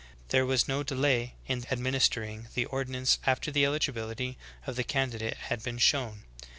There was no delay in administering the ordinance after the eligibility of the candidate had been shown.